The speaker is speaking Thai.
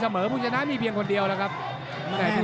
หรือว่าผู้สุดท้ายมีสิงคลอยวิทยาหมูสะพานใหม่